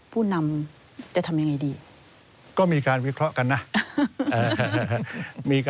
ผู้นำจะทำยังไงดี